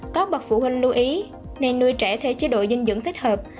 các bậc phụ huynh lưu ý nên nuôi trẻ theo chế độ dinh dưỡng thích hợp